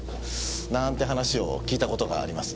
なんて話を聞いた事があります。